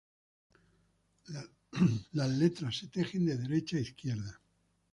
Las letras se tejen de derecha a izquierda.